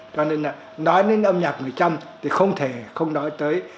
cho nên là nói đến âm nhạc người trăm thì không thể không nói tới